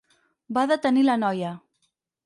Va detenir la noia.